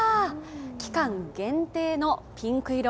期間限定のピンク色